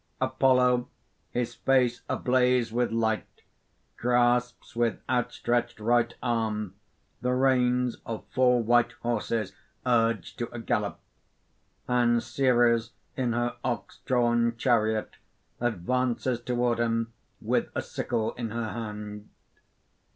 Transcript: _ _Apollo, his face ablaze with light, grasps with outstretched right arm the reins of four white horses urged to a gallop; and Ceres in her ox drawn chariot advances toward him with a sickle in her hand.